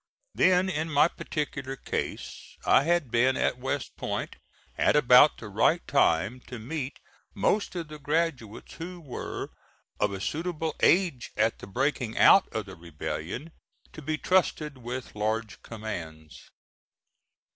Then, in my particular case, I had been at West Point at about the right time to meet most of the graduates who were of a suitable age at the breaking out of the rebellion to be trusted with large commands.